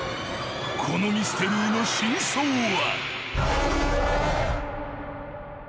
このミステリーの真相は］